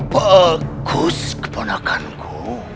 bagus keponakan ku